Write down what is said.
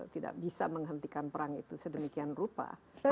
tidak bisa menghentikan perang itu sedemikian rupa